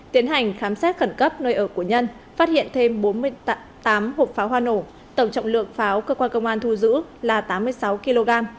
tiến hành khám xét khẩn cấp nơi ở của nhân phát hiện thêm bốn mươi tám hộp pháo hoa nổ tổng trọng lượng pháo cơ quan công an thu giữ là tám mươi sáu kg